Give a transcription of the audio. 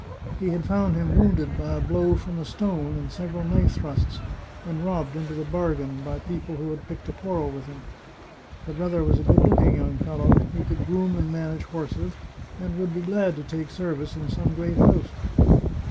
He had found him wounded by a blow from a stone and several knife thrusts, and robbed into the bargain, by peo ple who had picked a quarrel with him. The brother was a good looking young fellow; he could groom and manage horses, and would be glad to take service in some great house.